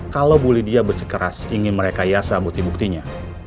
kalau bu lydia bersikeras ingin merekayasa bukti buktinya